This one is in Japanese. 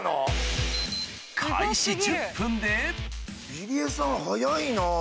入江さん早いな。